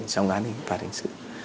trong án phạt hình sự